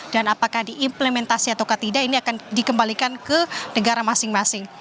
dan apakah diimplementasi atau tidak ini akan dikembalikan ke negara masing masing